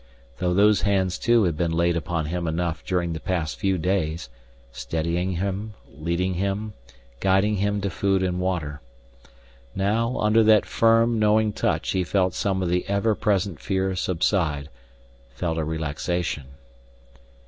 Though those hands, too, had been laid upon him enough during the past few days, steadying him, leading him, guiding him to food and water. Now, under that firm, knowing touch he felt some of the ever present fear subside, felt a relaxation.